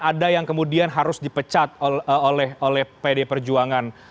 ada yang kemudian harus dipecat oleh pd perjuangan